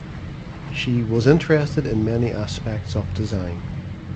She was interested in many aspects of design.